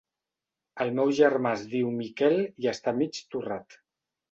El meu germà es diu Miquel i està mig torrat.